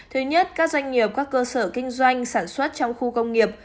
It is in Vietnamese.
thứ nhất các doanh nghiệp các cơ sở kinh doanh sản xuất trong khu công nghiệp